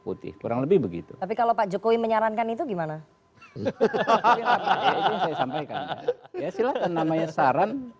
putih kurang lebih begitu tapi kalau pak jokowi menyarankan itu gimana silahkan namanya saran